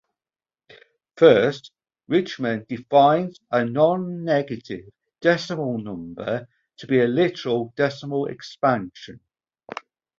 First, Richman defines a nonnegative "decimal number" to be a literal decimal expansion.